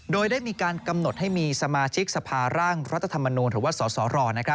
โดยได้มีการกำหนดให้มีสมาชิกสภาร่างรัฐธรรมนูลหรือว่าสสร